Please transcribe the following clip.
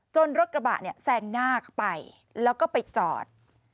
รถกระบะเนี่ยแซงหน้าเข้าไปแล้วก็ไปจอด